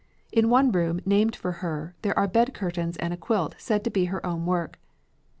In one room named for her there are bed curtains and a quilt said to be her own work.